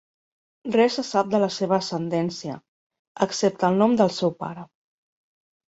Res se sap de la seva ascendència, excepte el nom del seu pare.